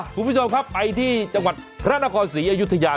คุณผู้ชมครับไปที่จังหวัดพระนครศรีอยุธยา